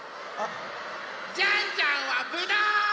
ジャンジャンはぶどう！